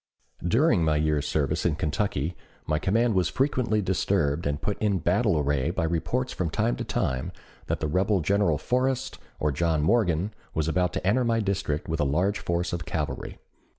During my year's service in Kentucky my command was frequently disturbed and put in battle array by reports from time to time that the rebel General Forrest or John Morgan was about to enter my district with a large force of cavalry.